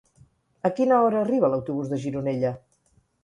A quina hora arriba l'autobús de Gironella?